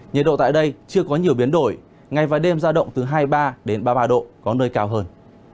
nhiệt độ tại đây chưa có nhiều biến đổi ngày và đêm ra động từ hai mươi ba đến ba mươi ba độ có nơi cao hơn